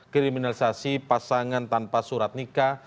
kriminalisasi pasangan tanpa surat nikah